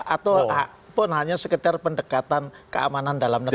ataupun hanya sekedar pendekatan keamanan dalam negeri